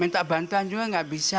minta bantuan juga nggak bisa